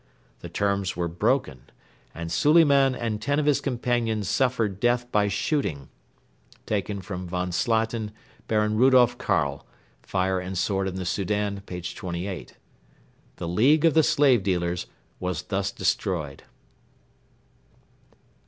The terms were broken, and Suliman and ten of his companions suffered death by shooting [von Slatin, Baron Rudolf Karl. FIRE AND SWORD IN THE SOUDAN, p.28.] The league of the slave dealers was thus destroyed.